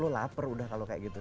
lu lapar udah kalau kayak gitu